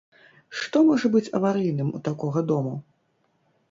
Што можа быць аварыйным у такога дому?